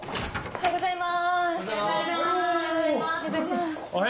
おはようございます。